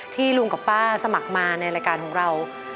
ลุงกับป้าสมัครมาในรายการของเรา